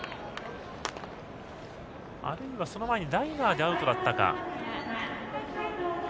あるいはその前にライナーでアウトだったか。